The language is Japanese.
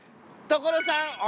所さん。